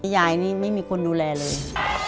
ยายนี่ไม่มีคนดูแลเลย